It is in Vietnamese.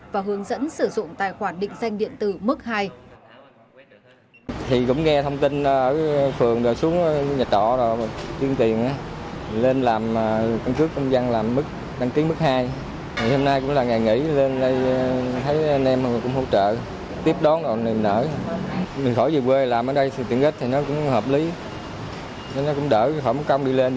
và hướng dẫn sử dụng tài khoản định danh điện tử mức hai